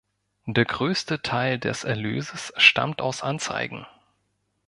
Der größte Teil des Erlöses stammt aus Anzeigen.